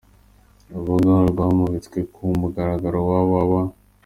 Uru rubuga rwamuritswe ku mugaragaro www.